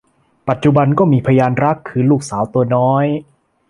ปัจจุบันก็มีพยานรักคือลูกสาวตัวน้อย